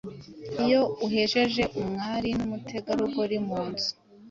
Iyo uhejeje umwari n’umutegarugori mu nzu